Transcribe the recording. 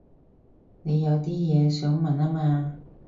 你有啲嘢想問吖嘛